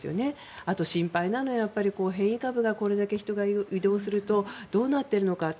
あと心配なのは変異株がこれだけ人が移動するとどうなっているのか。